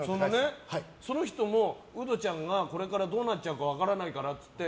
その人も、ウドちゃんがこれからどうなっちゃうか分からないからって言って